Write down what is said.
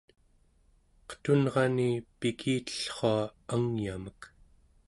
qetunrani pikitellrua angyamek